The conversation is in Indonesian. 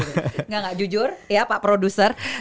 enggak enggak jujur ya pak produser